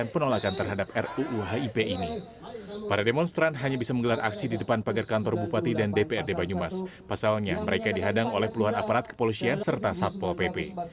pasalnya mereka dihadang oleh puluhan aparat kepolisian serta satpol pp